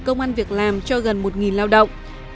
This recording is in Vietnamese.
tập đoàn kangaroo đã tạo được công an việc làm cho gần một lao động